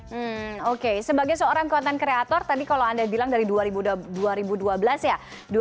hmm oke sebagai seorang konten kreator tadi kalau anda bilang dari dua ribu dua belas ya